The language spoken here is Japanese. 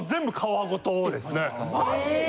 マジで？